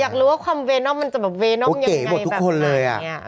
ใช่อยากรู้ว่าความเวนอมมันจะแบบเวนอมยังไงแบบไหนอย่างนี้เออ